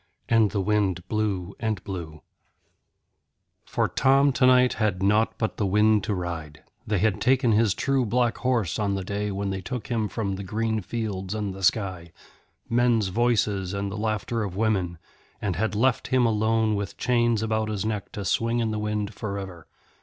And the wind blew and blew. For Tom tonight had nought but the wind to ride; they had taken his true black horse on the day when they took from him the green fields and the sky, men's voices and the laughter of women, and had left him alone with chains about his neck to swing in the wind for ever.